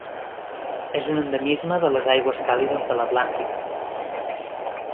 És un endemisme de les aigües càlides de l'Atlàntic.